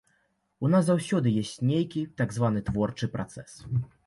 У нас заўсёды ёсць нейкі так званы творчы працэс.